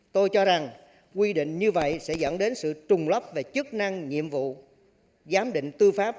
tôi cho rằng quy định như vậy sẽ dẫn đến sự trùng lấp về chức năng nhiệm vụ giám định tư pháp